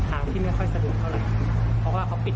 ไม่มีใช่